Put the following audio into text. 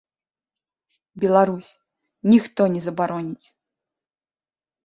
Беларусь, ніхто не забароніць.